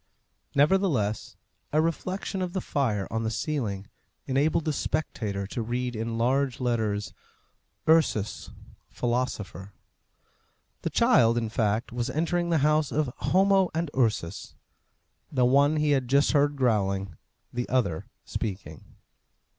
Nevertheless, a reflection of the fire on the ceiling enabled the spectator to read in large letters, URSUS, PHILOSOPHER. The child, in fact, was entering the house of Homo and Ursus. The one he had just heard growling, the other speaking.